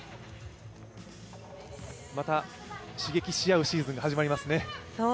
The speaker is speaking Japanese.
また刺激し合うシーズンが始まりますね。